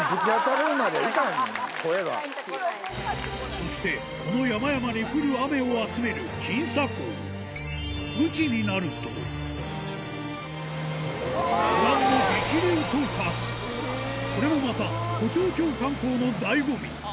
そしてこの山々に降る雨を集める金沙江ご覧の激流と化すこれもまた虎跳峡観光の醍醐味